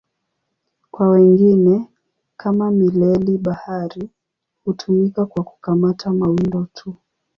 Kwa wengine, kama mileli-bahari, hutumika kwa kukamata mawindo tu.